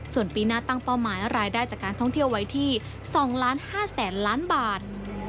ส่วนปีหน้าตั้งเป้าหมายรายได้จากการท่องเที่ยวไว้ที่๒๕๐๐๐๐ล้านบาท